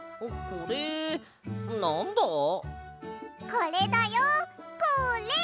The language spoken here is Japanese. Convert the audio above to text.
これだよこれ！